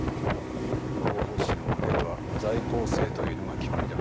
広報誌のモデルは在校生というのが決まりだ。